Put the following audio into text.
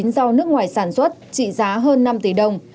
do nước ngoài sản xuất trị giá hơn năm tỷ đồng